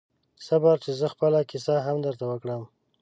صبر چې زه خپله کیسه هم درته وکړم